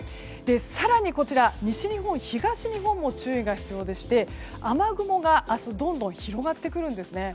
更に、西日本、東日本も注意が必要でして雨雲が明日どんどん広がってくるんですね。